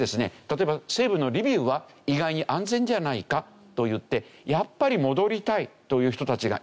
例えば西部のリビウは意外に安全じゃないかといってやっぱり戻りたいという人たちがいてですね